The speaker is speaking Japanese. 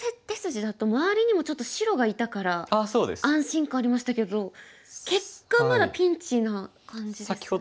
手筋だと周りにもちょっと白がいたから安心感ありましたけど結果まだピンチな感じですね。